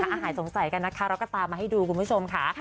หายสงสัยกันนะคะเราก็ตามมาให้ดูคุณผู้ชมค่ะ